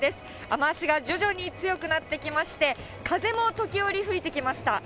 雨足が徐々に強くなってきまして、風も時折吹いてきました。